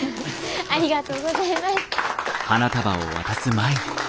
ありがとうございます！